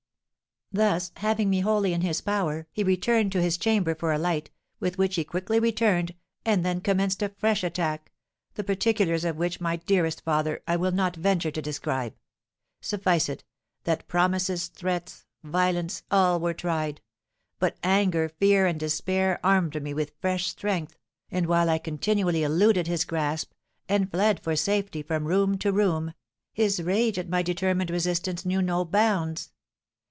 Thus, having me wholly in his power, he returned to his chamber for a light, with which he quickly returned, and then commenced a fresh attack, the particulars of which, my dearest father, I will not venture to describe; suffice it, that promises, threats, violence, all were tried; but anger, fear, and despair armed me with fresh strength, and, while I continually eluded his grasp, and fled for safety from room to room, his rage at my determined resistance knew no bounds.